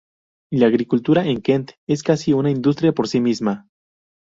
La agricultura en Kent es casi una industria por sí misma.